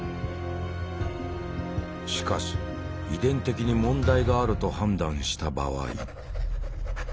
しかし遺伝的に問題があると判断した場合。